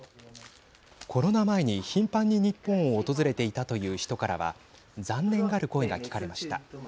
コロナ前に頻繁に日本を訪れていたという人からは残念がる声が聞かれました。